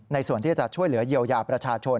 ส่วนที่จะช่วยเหลือเยียวยาประชาชน